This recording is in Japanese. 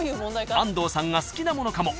［安藤さんが好きなものかも。